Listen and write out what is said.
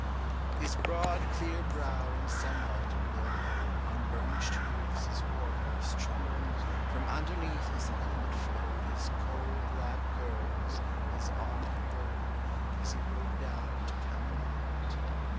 His broad clear brow in sunlight glow'd; 100 On burnish'd hooves his war horse trode; From underneath his helmet flow'd His coal black curls as on he rode, As he rode down to Camelot.